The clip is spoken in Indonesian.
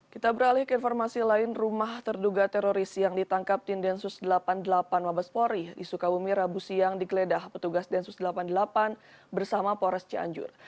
kita beralih ke informasi lain rumah terduga teroris yang ditangkap tim densus delapan puluh delapan wabaspori di sukabumi rabu siang digeledah petugas densus delapan puluh delapan bersama polres cianjur